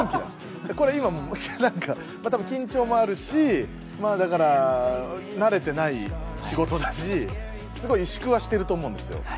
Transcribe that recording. これ今なんかまあ多分緊張もあるし慣れてない仕事だしすごい萎縮はしてると思うんですよ。